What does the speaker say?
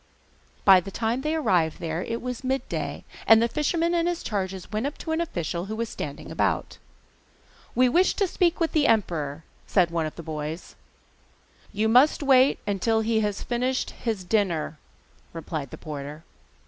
By the time they arrived there it was midday, and the fisherman and his charges went up to an official who was standing about. 'We wish to speak with the emperor,' said one of the boys. 'You must wait until he has finished his dinner,' replied the porter.